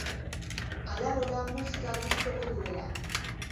Hala nola, musika gustoko duela.